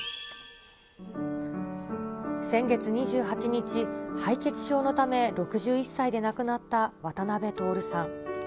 先月２８日、敗血症のため６１歳で亡くなった渡辺徹さん。